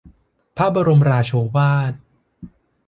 พระบรมราโชวาท